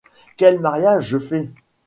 Quel mariage je fais ?